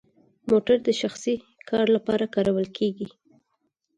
موټر د شخصي کار لپاره کارول کیږي؟